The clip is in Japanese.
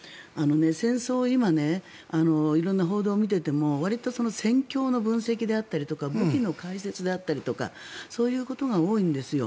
戦争を今、色んな報道を見ていてもわりと戦況の分析であったりとか武器の解説であったりとかそういうことが多いんですよ。